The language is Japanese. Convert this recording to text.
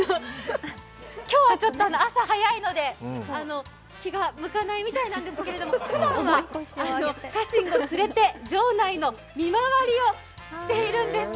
今日はちょっと朝早いので気が向かないみたいなんですけどふだんは家臣を連れて城内の見回りをしているんです。